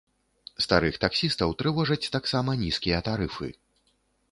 Старых таксістаў трывожаць таксама нізкія тарыфы.